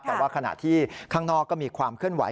แต่ว่าขณะที่ข้างนอกก็มีความเคลื่อนไหว